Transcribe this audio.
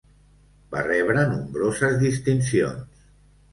Va rebre nombroses distincions.